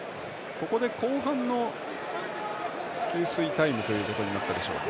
ここで後半の給水タイムということになったでしょうか。